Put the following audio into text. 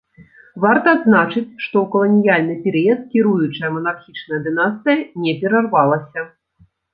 Варта адзначыць, што ў каланіяльны перыяд кіруючая манархічная дынастыя не перарвалася.